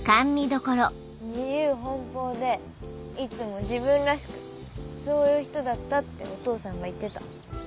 自由奔放でいつも自分らしくそういう人だったってお父さんが言ってた。